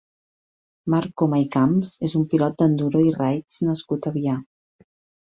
Marc Coma i Camps és un pilot d'enduro i raids nascut a Avià.